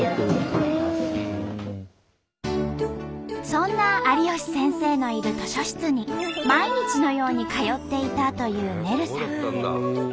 そんな有吉先生のいる図書室に毎日のように通っていたというねるさん。